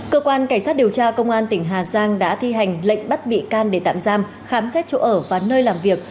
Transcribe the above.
cơ quan cảnh sát điều tra công an tỉnh hà giang đã thi hành lệnh bắt bị can để tạm giam khám xét chỗ ở và nơi làm việc